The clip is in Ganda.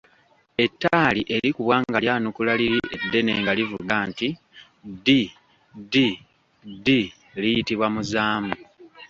"Ettaali erikubwa nga lyanukula liri eddene nga livuga nti “ddi, ddi, ddi” liyitibwa Muzaamu."